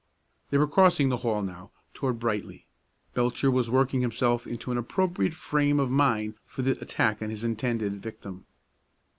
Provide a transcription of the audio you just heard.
They were crossing the hall now, toward Brightly. Belcher was working himself into an appropriate frame of mind for the attack on his intended victim.